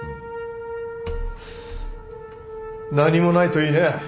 何もないといいねぇ。